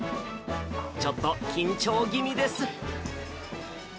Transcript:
ちょっと緊張気味です。